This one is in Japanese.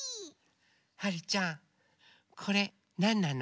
はるちゃんこれなんなの？